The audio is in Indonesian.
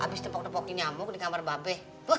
hah abis tepok nepoki nyamuk di kamar mbah be